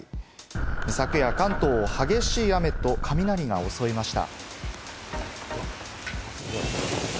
昨夜、関東を激しい雨と雷が襲いました。